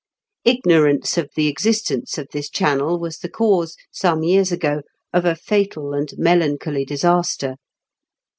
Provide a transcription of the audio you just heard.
Ignorance of the existence of this channel was the cause, some years ago, of a fatal and melancholy disaster.